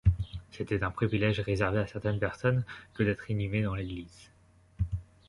C'était un privilège réservé à certaines personnes que d'être inhumées dans l'église.